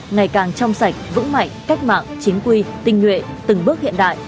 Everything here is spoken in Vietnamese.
ngày càng trong sạch vững mạnh cách mạng chính quy tinh nguyện từng bước hiện đại